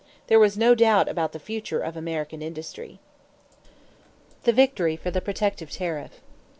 There was no doubt about the future of American industry. =The Victory for the Protective Tariff.